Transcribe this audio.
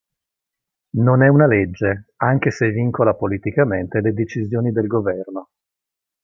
Non è una legge, anche se vincola politicamente le decisioni del Governo.